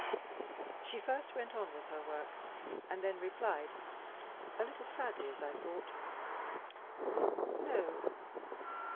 She first went on with her work, and then replied (a little sadly, as I thought): "No!"